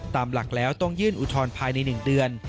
ตามหลักแล้วต้องยื่นอุทธรณ์ภายใน๑เดือน